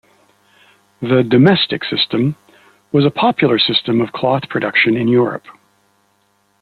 The "domestic system" was a popular system of cloth production in Europe.